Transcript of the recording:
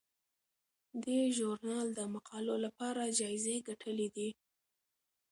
دې ژورنال د مقالو لپاره جایزې ګټلي دي.